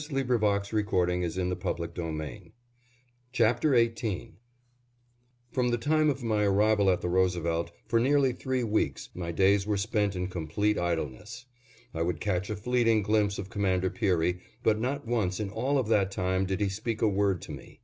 CHAPTER XVIII AFTER MUSK OXEN THE DOCTOR'S SCIENTIFIC EXPEDITION From the time of my arrival at the Roosevelt, for nearly three weeks, my days were spent in complete idleness. I would catch a fleeting glimpse of Commander Peary, but not once in all of that time did he speak a word to me.